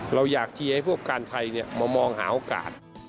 เราอยากเชียร์ให้พวกการไทยมามองหาโอกาส